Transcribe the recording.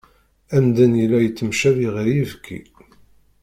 Amdan yella yettemcabi ɣer yibki.